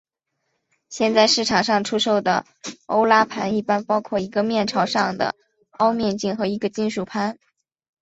现在市场上出售的欧拉盘一般包括一个面朝上的凹面镜和一个金属盘。